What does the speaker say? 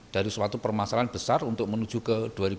dari suatu permasalahan besar untuk menuju ke dua ribu dua puluh